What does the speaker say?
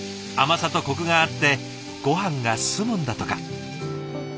甘さとコクがあってごはんが進むんだとか。